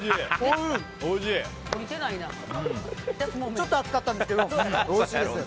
ちょっと熱かったんですけどすごくおいしいです。